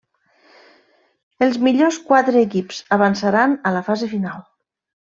Els millors quatre equips avançaran a la fase final.